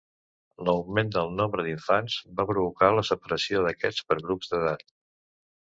L'augment del nombre d'infants va provocar la separació d'aquests per grups d'edat.